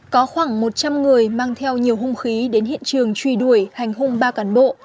có khoảng một trăm linh người mang theo nhiều hung khí đến hiện trường truy đuổi hành hung ba cán bộ